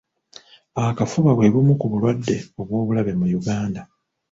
Akafuba bwe bumu ku bulwadde obw'obulabe mu Uganda.